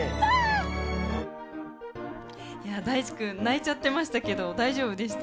大馳君泣いちゃってましたけど大丈夫でした？